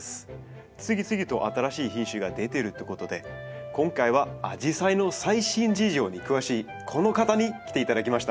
次々と新しい品種が出てるってことで今回はアジサイの最新事情に詳しいこの方に来ていただきました。